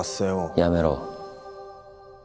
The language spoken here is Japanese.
やめろ。